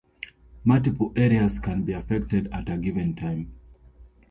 Multiple areas can be affected at a given time.